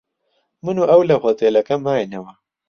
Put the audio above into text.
من و ئەو لە هۆتێلەکە ماینەوە.